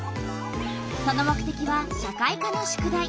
その目てきは社会科の宿題。